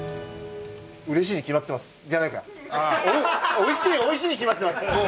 美味しい美味しいに決まってます。